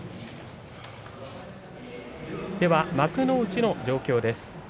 幕内の状況です。